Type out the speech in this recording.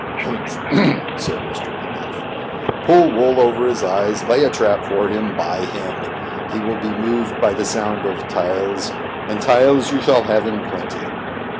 " Humph !" said Mr. Bidulph. " Pull wool over his eyes ; lay a trap for him ; buy him. He will be moved by the sound of taels, and taels you shall have in plenty.